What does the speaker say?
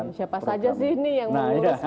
program siapa saja sih ini yang mengurus